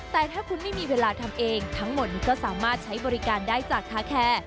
แต่ถ้าคุณไม่มีเวลาทำเองทั้งหมดนี้ก็สามารถใช้บริการได้จากคาแคร์